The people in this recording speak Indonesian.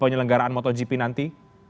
penyelenggaraan motogp nanti